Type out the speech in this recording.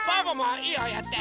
いいよやって。